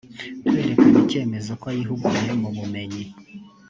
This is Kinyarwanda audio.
kwerekana icyemezo ko yihuguye mu bumenyi